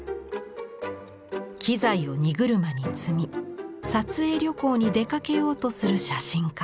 機材を荷車に積み撮影旅行に出かけようとする写真家。